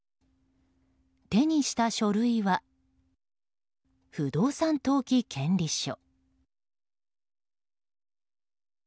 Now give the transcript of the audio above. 手にした書類は不動産登記権利書。